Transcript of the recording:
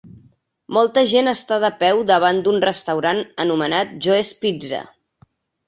Molta gent està de peu davant d'un restaurant anomenat Joe's Pizza.